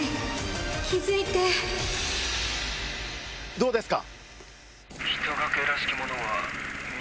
どうですか？